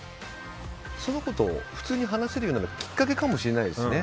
その子と普通に話せるようになるきっかけかもしれないですしね。